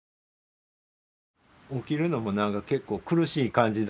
起きるのもなんか結構苦しい感じ。